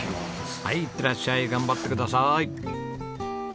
はいいってらっしゃい頑張ってください。